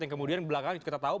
yang kemudian belakang itu kita tahu